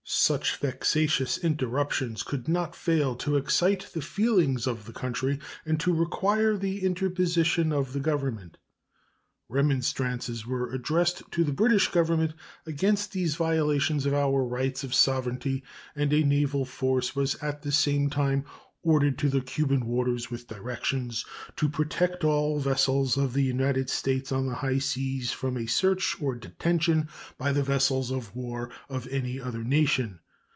Such vexatious interruptions could not fail to excite the feelings of the country and to require the interposition of the Government. Remonstrances were addressed to the British Government against these violations of our rights of sovereignty, and a naval force was at the same time ordered to the Cuban waters with directions "to protect all vessels of the United States on the high seas from search or detention by the vessels of war of any other nation."